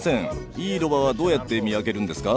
いいロバはどうやって見分けるんですか？